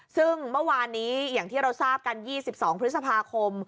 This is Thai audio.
ซึ่งเมื่อวานนี้อย่างที่เราทราบกัน๒๒พฤษภาคม